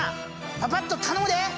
パパッと頼むで！